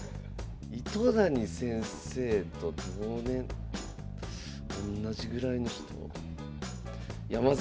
糸谷先生と同年代同じぐらいの人？